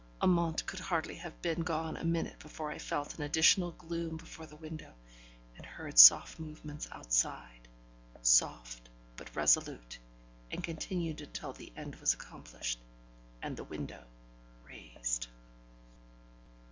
Amante could hardly have been gone a minute before I felt an additional gloom before the window, and heard soft movements outside soft, but resolute, and continued until the end was accomplished, and the window raised.